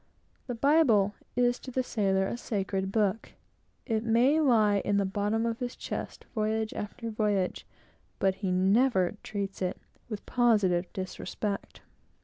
The Bible is to the sailor a sacred book. It may lie in the bottom of his chest, voyage after voyage; but he never treats it with positive disrespect.